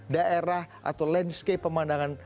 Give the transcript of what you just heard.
daerah atau landscape pemandangan